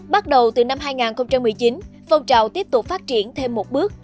bắt đầu từ năm hai nghìn một mươi chín phong trào tiếp tục phát triển thêm một bước